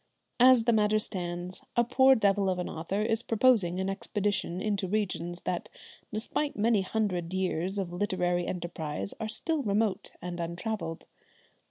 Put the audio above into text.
As the matter stands, a poor devil of an author is proposing an expedition into regions that, despite many hundred years of literary enterprise, are still remote and untravelled.